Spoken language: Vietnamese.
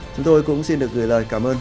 chúng tôi cũng xin được gửi lời cảm ơn